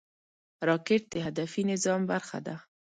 راکټ د هدفي نظام برخه ده